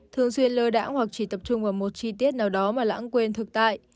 thường xuyên lơ đã hoặc chỉ tập trung vào một chi tiết nào đó mà lãng quên thực tại